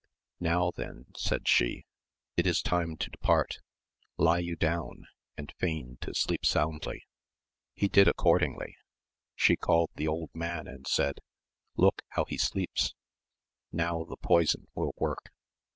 Now then, said she, it is time to depart, lie you down, and feign to sleep soundly. He did accordingly; she called the old man and said, Look how he sleeps ! Now the poison will work.